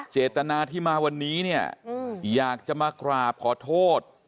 เจตนาที่มาวันนี้เนี่ยอยากจะมากราบขอโทษ